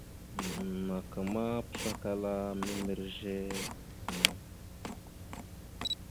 Naka ma, pəslakala membirez a ne.